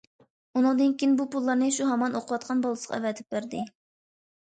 ئۇنىڭدىن كېيىن بۇ پۇللارنى شۇ ھامان ئوقۇۋاتقان بالىسىغا ئەۋەتىپ بەردى.